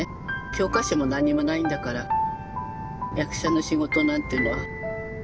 教科書も何もないんだから役者の仕事なんていうのは。